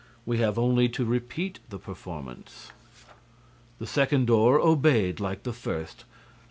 We have only to repeat the performance." The second door obeyed like the first.